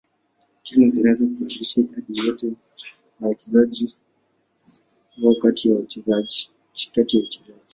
Timu zinaweza kubadilisha idadi yoyote ya wachezaji wao kati ya uchezaji.